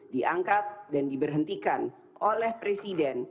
diangkat dan diberhentikan oleh presiden